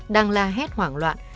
đang la hét hoảng loạn